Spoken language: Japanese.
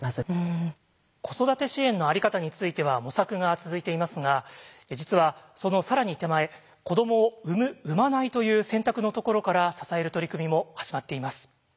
子育て支援の在り方については模索が続いていますが実はその更に手前子どもを産む・産まないという選択のところから支える取り組みも始まっています。